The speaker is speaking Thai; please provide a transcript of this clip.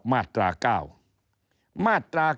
มันมีในมาตรา๙